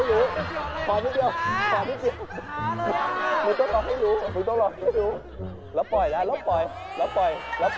ขอบคุณครับสวัสดีครับเจ๊ครับสวัสดีครับ